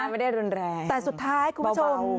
ไม่ได้รุนแรงแต่สุดท้ายคุณผู้ชม